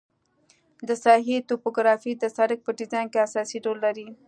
د ساحې توپوګرافي د سرک په ډیزاین کې اساسي رول لري